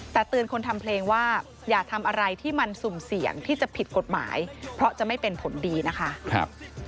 แต่เตือนคนทำเพลงว่าอย่าทำอะไรที่มันสุ่มเสี่ยงที่จะผิดกฎหมายเพราะจะไม่เป็นผลดีนะคะ